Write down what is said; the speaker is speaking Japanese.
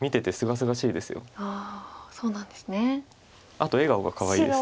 あと笑顔がかわいいです。